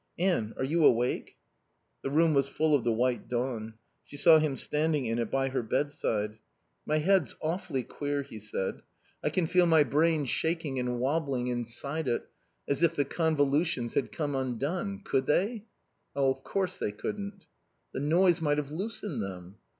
"Anne, are you awake?" The room was full of the white dawn. She saw him standing in it by her bedside. "My head's awfully queer," he said. "I can feel my brain shaking and wobbling inside it, as if the convolutions had come undone. Could they?" "Of course they couldn't." "The noise might have loosened them."